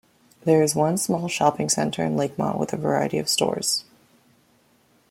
There is one small shopping center in Lakemont with a variety of stores.